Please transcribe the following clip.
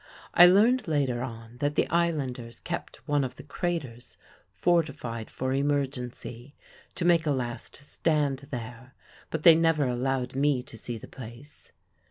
(I learned later on that the islanders kept one of the craters fortified for emergency, to make a last stand there; but they never allowed me to see the place.)